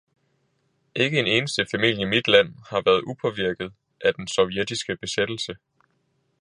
Ikke en eneste familie i mit land har været upåvirket af den sovjetiske besættelse.